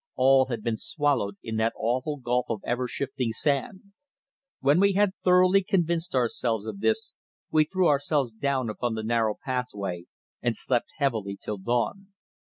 All had been swallowed in that awful gulf of ever shifting sand. When we had thoroughly convinced ourselves of this we threw ourselves down upon the narrow pathway, and slept heavily till dawn.